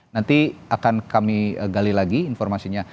nanti akan kami gali lagi informasinya